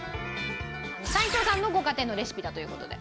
齋藤さんのご家庭のレシピだという事で。